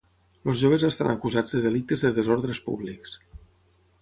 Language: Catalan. Els joves estan acusats de delictes de desordres públics.